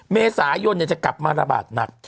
เมษายนจะกลับมาระบาดหนัก